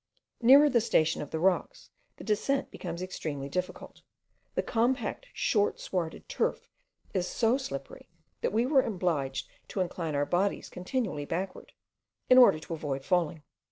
Nearer the station of the rocks, the descent becomes extremely difficult; the compact short swarded turf is so slippery, that we were obliged to incline our bodies continually backward, in order to avoid falling.